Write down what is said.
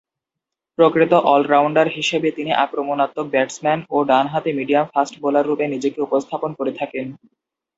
প্রকৃত অল-রাউন্ডার হিসেবে তিনি আক্রমণাত্মক ব্যাটসম্যান ও ডানহাতি মিডিয়াম-ফাস্ট বোলাররূপে নিজেকে উপস্থাপন করে থাকেন।